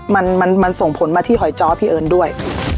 มันมันส่งผลมาที่หอยจ้อพี่เอิญด้วย